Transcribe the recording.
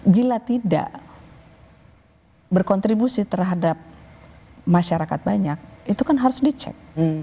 bila tidak berkontribusi terhadap masyarakat banyak itu kan harus dicek